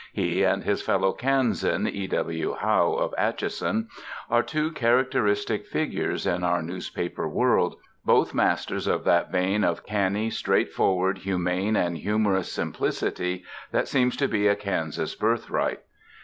He and his fellow Kansan, E. W. Howe of Atchison, are two characteristic figures in our newspaper world, both masters of that vein of canny, straightforward, humane and humorous simplicity that seems to be a Kansas birthright.